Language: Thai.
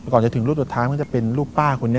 ก่อนจะถึงรูปสุดท้ายมันก็จะเป็นรูปป้าคนนี้